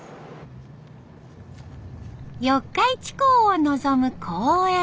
四日市港を望む公園。